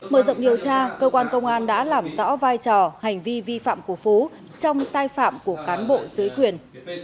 mở rộng điều tra cơ quan công an đã làm rõ vai trò hành vi vi phạm của phú trong sai phạm của cán bộ dưới quyền